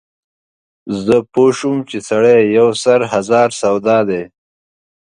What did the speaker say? زه پوی شوم چې سړی یو سر هزار سودا دی.